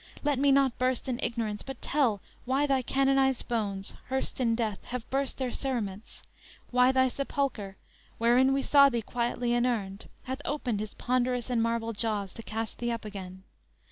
Let me not burst in ignorance; but tell Why thy canonized bones, hearsed in death, Have burst their cerements; why thy sepulchre, Wherein we saw thee quietly inurned Hath opened his ponderous and marble jaws, To cast thee up again.